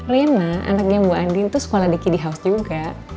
reina anaknya bu andin tuh sekolah di kiddy house juga